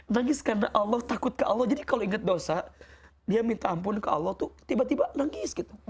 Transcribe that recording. nangis karena allah takut ke allah jadi kalau ingat dosa dia minta ampun ke allah tuh tiba tiba nangis gitu